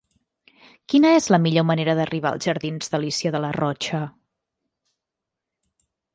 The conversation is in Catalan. Quina és la millor manera d'arribar als jardins d'Alícia de Larrocha?